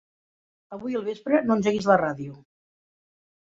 Avui al vespre no engeguis la ràdio.